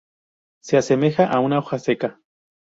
Se asemeja a una hoja seca.